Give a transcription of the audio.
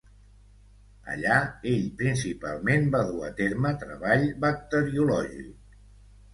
Allà ell principalment va dur a terme treball bacteriològic.